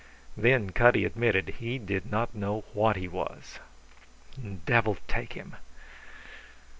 Then Cutty admitted he did not know what he was. Devil take him!